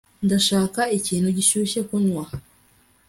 ndashaka ikintu gishyushye kunywa